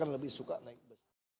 lebih suka naik bus